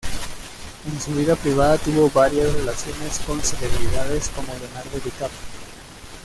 En su vida privada tuvo varias relaciones con celebridades como Leonardo DiCaprio.